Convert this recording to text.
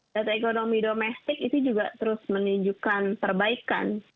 data ekonomi domestik itu juga terus menunjukkan perbaikan